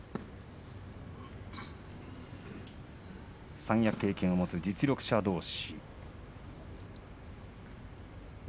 三役経験を持つ実力者どうし。